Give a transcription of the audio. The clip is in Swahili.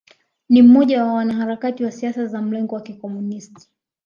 Ni mmoja wa wanaharakati wa siasa za mlengo wa Kikomunisti